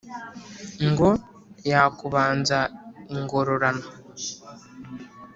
ngo yakubanza ingororano.